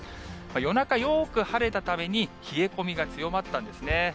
夜中、よーく晴れたために、冷え込みが強まったんですね。